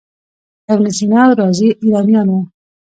ابن سینا او رازي ایرانیان وو.